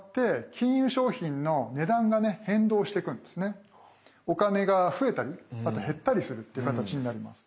そしてお金が増えたりあと減ったりするっていう形になります。